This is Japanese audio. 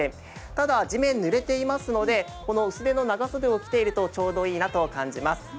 ただ地面、ぬれていますので薄手の上着を１枚着ているとちょうどいいなと感じます。